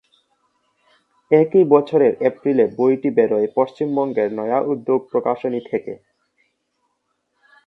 একই বছরের এপ্রিলে বইটি বেরোয় পশ্চিমবঙ্গের "নয়া উদ্যোগ" প্রকাশনী থেকে।